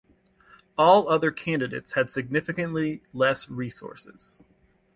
All other candidates had significantly less resources.